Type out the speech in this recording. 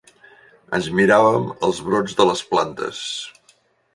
Ens miràvem els brots de les plantes.